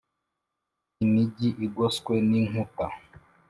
imigi igoswe n ‘inkuta .